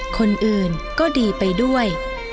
คนอื่นก็ดีไปด้วย